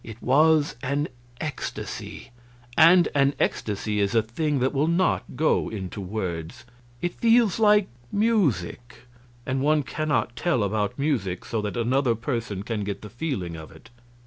It was an ecstasy; and an ecstasy is a thing that will not go into words; it feels like music, and one cannot tell about music so that another person can get the feeling of it.